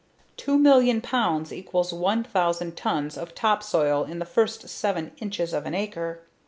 Two million pounds equals one thousand tons of topsoil in the first seven inches of an acre.